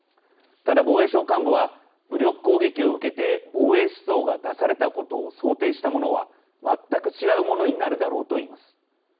ただ防衛省幹部は武力攻撃を受けて防衛出動が出されたことを想定したものは全く違うものになるだろうと言います。